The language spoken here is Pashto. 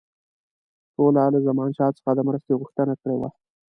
ټولو له زمانشاه څخه د مرستې غوښتنه کړې وه.